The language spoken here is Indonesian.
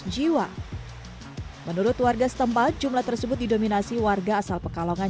jiwa menurut warga setempat jumlah tersebut didominasi warga asal pekalongan